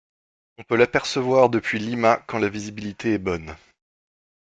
On peut l'apercevoir depuis Lima quand la visibilité est bonne.